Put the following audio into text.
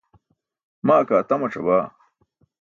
Maa kaa je atamac̣abaa.